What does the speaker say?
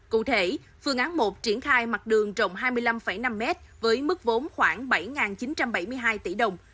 cụ thể phương án một triển khai mặt đường rộng hai mươi năm năm mét với mức vốn khoảng bảy chín trăm bảy mươi hai tỷ đồng